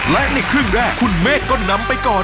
และในครึ่งแรกคุณเมฆก็นำไปก่อน